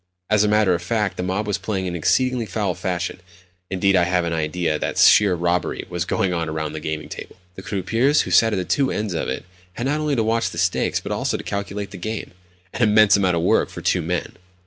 As a matter of fact, the mob was playing in exceedingly foul fashion. Indeed, I have an idea that sheer robbery was going on around that gaming table. The croupiers who sat at the two ends of it had not only to watch the stakes, but also to calculate the game—an immense amount of work for two men!